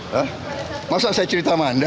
hah masa saya cerita sama anda